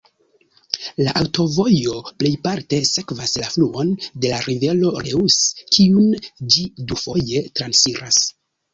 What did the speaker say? La aŭtovojo plejparte sekvas la fluon de la rivero Reuss, kiun ĝi dufoje transiras.